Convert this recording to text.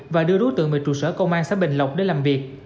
và đưa đối tượng về trụ sở công an xã bình lộc để làm việc